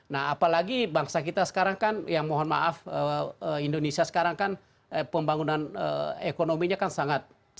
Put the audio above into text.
nah apalagi bangsa kita sekarang kan ya mohon maaf indonesia sekarang kan pembangunan ekonominya kan sangat